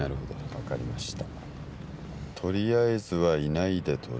分かりました。